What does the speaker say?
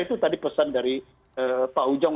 itu tadi pesan dari pak ujang